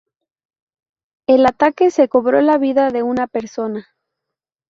El ataque se cobró la vida de una persona.